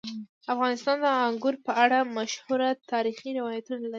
افغانستان د انګور په اړه مشهور تاریخی روایتونه لري.